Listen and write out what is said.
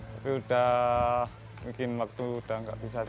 tapi udah mungkin waktu udah gak bisa